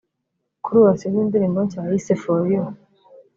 kuri ubu afite indi ndirimbo nshya yise ‘For you'